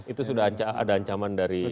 itu sudah ada ancaman dari